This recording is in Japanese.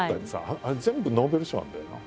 あれ全部ノーベル賞なんだよな。